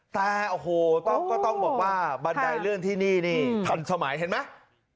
แต่โอ้โหก็ต้องบอกว่าบันไดเลื่อนที่นี่นี่ทันสมัยเห็นไหม